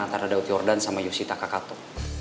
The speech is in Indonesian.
antara daud yordan sama yusita kak kato